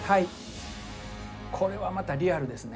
これはまたリアルですね。